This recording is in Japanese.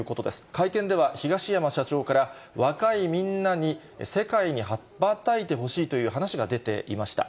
会見では、東山社長から若いみんなに世界に羽ばたいてほしいという話が出ていました。